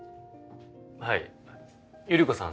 はいゆり子さん